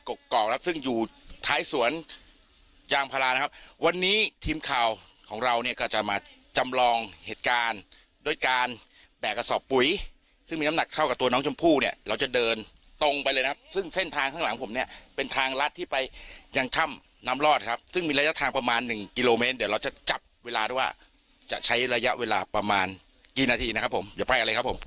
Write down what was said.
กอกแล้วซึ่งอยู่ท้ายสวนยางพลานะครับวันนี้ทีมข่าวของเราเนี้ยก็จะมาจำลองเหตุการณ์โดยการแบกกระสอบปุ๋ยซึ่งมีน้ำหนักเข้ากับตัวน้องชมพู่เนี้ยเราจะเดินตรงไปเลยนะครับซึ่งเส้นทางข้างหลังผมเนี้ยเป็นทางลัดที่ไปยังทำน้ำลอดครับซึ่งมีระยะทางประมาณหนึ่งกิโลเมตรเดี๋ยวเราจะจับเวลาด้วย